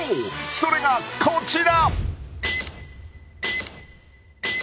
それがこちら！